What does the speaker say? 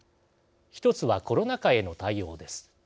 １つはコロナ禍への対応です。